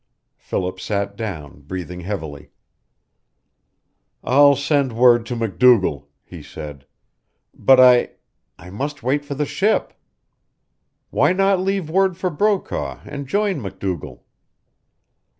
Philip sat down, breathing heavily. "I'll send word to MacDougall," he said. "But I I must wait for the ship!" "Why not leave word for Brokaw and join MacDougall?"